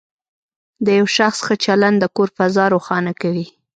د یو شخص ښه چلند د کور فضا روښانه کوي.